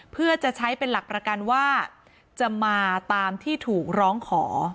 เพื่อจะใช้เป็นหลักประกันว่าจะมาตามที่ถูกร้องขอ